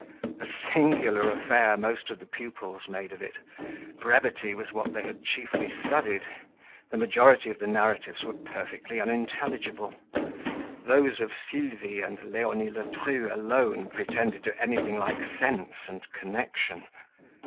A singular affair most of the pupils made of it; brevity was what they had chiefly studied; the majority of the narratives were perfectly unintelligible; those of Sylvie and Leonie Ledru alone pretended to anything like sense and connection.